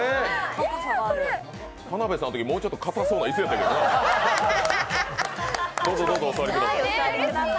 田辺さんのとき、もうちょっとかたそうな椅子やったけど。